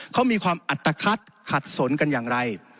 เขามีความอัตภัทขัดสนกันอย่างไร